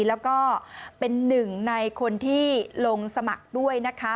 แล้วก็เป็นหนึ่งในคนที่ลงสมัครด้วยนะคะ